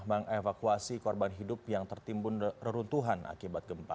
mengevakuasi korban hidup yang tertimbun reruntuhan akibat gempa